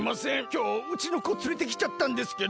きょううちの子つれてきちゃったんですけど。